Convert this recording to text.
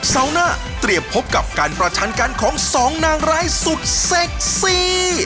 เสาร์หน้าเตรียมพบกับการประชันกันของสองนางร้ายสุดเซ็กซี่